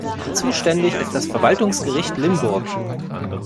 Zuständig ist das Verwaltungsgericht Limburg.